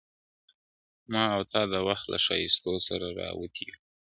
ما او تا د وخت له ښايستو سره راوتي يـو,